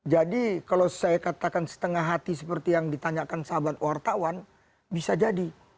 jadi kalau saya katakan setengah hati seperti yang ditanyakan sahabat wartawan bisa jadi